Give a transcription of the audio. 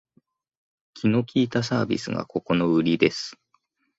気の利いたサービスがここのウリです